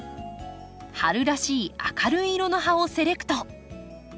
春らしい明るい色の葉をセレクト。